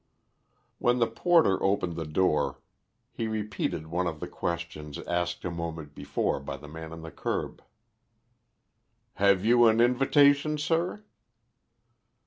When the porter opened the door he repeated one of the questions asked a moment before by the man on the kerb. "Have you an invitation, sir?"